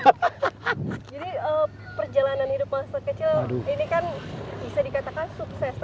jadi perjalanan hidup masa kecil ini kan bisa dikatakan sukses